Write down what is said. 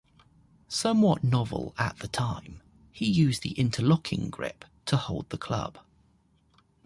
Somewhat novel at the time, he used the interlocking grip to hold the club.